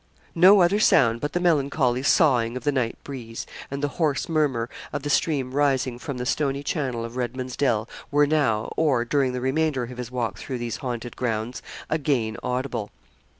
No other sound but the melancholy soughing of the night breeze, and the hoarse murmur of the stream rising from the stony channel of Redman's Dell, were now, or during the remainder of his walk through these haunted grounds, again audible.